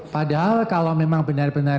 padahal kalau memang benar benar